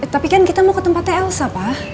tapi kan kita mau ke tempatnya elsa pak